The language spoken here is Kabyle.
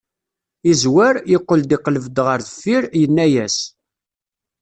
Yezwar, yeqqel iqleb-d ɣer deffir, yenna-yas.